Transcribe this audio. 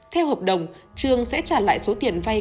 theo hợp đồng trường sẽ trả lại số tiền vay